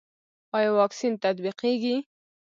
آیا واکسین تطبیقیږي؟